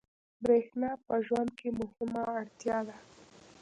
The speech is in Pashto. برېښنا په ژوند کې مهمه اړتیا ده.